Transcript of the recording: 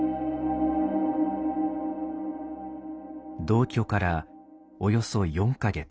同居からおよそ４か月。